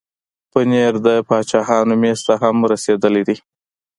پنېر د باچاهانو مېز ته هم رسېدلی دی.